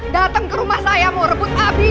datang ke rumah saya mau rebut abi